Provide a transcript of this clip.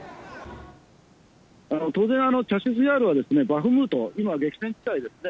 当然、チャシブヤールはバフムト、今、激戦地帯ですね。